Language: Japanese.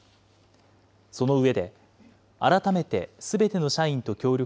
その上で、改めてすべての社員と協力